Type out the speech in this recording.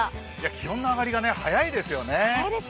気温の上がりが早いですよね。